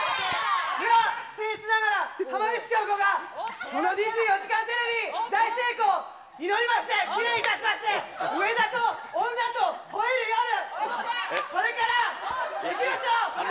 じゃあ、せん越ながら、浜口京子が、この２４時間テレビの大成功祈りまして、祈念いたしまして、上田と女と吠える夜、これから、いきますよ。